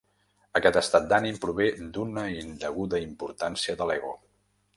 Aquest estat d'ànim prové d'una indeguda importància de l'ego.